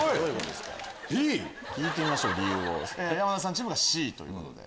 聞いてみましょう理由を山田さんチームＣということで。